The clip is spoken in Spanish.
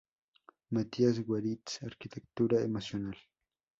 Mathias Goeritz, arquitectura emocional.